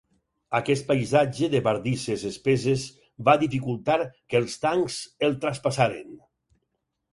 Aquest paisatge de bardisses espeses va dificultar que els tancs el traspassaren.